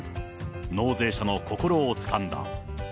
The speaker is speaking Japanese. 納税者の心をつかんだ。